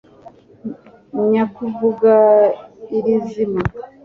nyakuvuga irizima